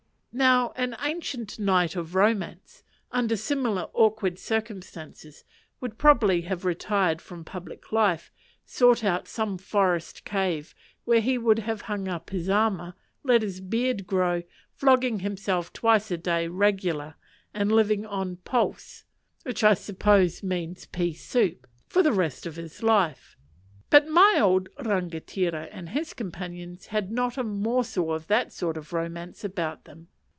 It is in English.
Now an ancient knight of romance, under similar awkward circumstances, would probably have retired from public life, sought out some forest cave, where he would have hung up his armour, let his beard grow, flogged himself twice a day "regular," and lived on "pulse" which I suppose means pea soup for the rest of his life. But my old rangatira and his companions had not a morsel of that sort of romance about them.